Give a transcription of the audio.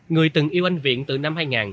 người từng yêu anh viện từ năm hai nghìn